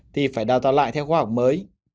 thì phải đào tạo lại theo khoa học mới